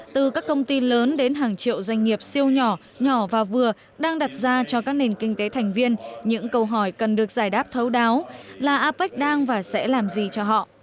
từ các công ty lớn đến hàng triệu doanh nghiệp siêu nhỏ nhỏ và vừa đang đặt ra cho các nền kinh tế thành viên những câu hỏi cần được giải đáp thấu đáo là apec đang và sẽ làm gì cho họ